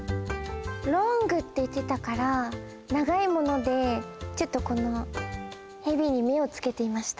“ｌｏｎｇ”っていってたからながいものでちょっとこのヘビに目をつけていました。